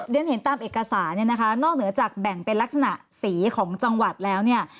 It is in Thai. เรียนเห็นตามเอกสารเนี่ยนะคะนอกเหนือจากแบ่งเป็นลักษณะสีของจังหวัดแล้วเนี่ย